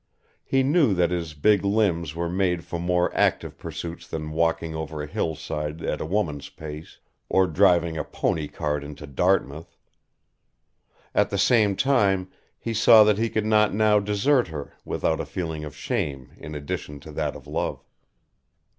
He knew that his big limbs were made for more active pursuits than walking over a hillside at a woman's pace, or driving a pony cart into Dartmouth. At the same time he saw that he could not now desert her without a feeling of shame in addition to that of love.